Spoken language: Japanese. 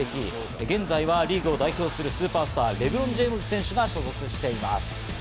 現在はリーグを代表するスーパースター、レブロン・ジェームズ選手が所属しています。